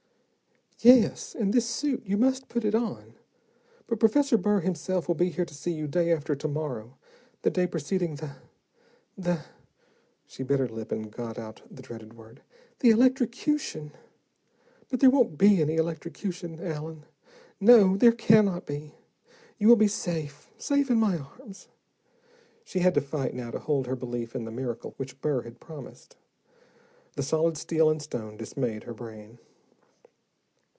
"Yes. And this suit, you must put it on. But Professor Burr himself will be here to see you day after to morrow, the day preceding the the " She bit her lip, and got out the dreaded word, "the electrocution. But there won't be any electrocution, Allen; no, there cannot be. You will be safe, safe in my arms." She had to fight now to hold her belief in the miracle which Burr had promised. The solid steel and stone dismayed her brain.